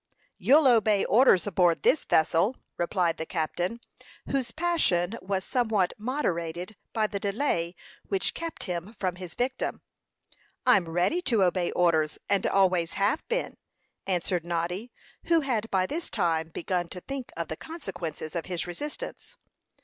"You'll obey orders aboard this vessel," replied the captain, whose passion was somewhat moderated by the delay which kept him from his victim. "I'm ready to obey orders, and always have been," answered Noddy, who had by this time begun to think of the consequences of his resistance.